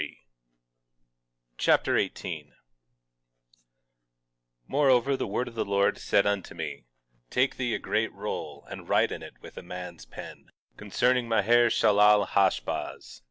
2 Nephi Chapter 18 18:1 Moreover, the word of the Lord said unto me: Take thee a great roll, and write in it with a man's pen, concerning Maher shalal hash baz.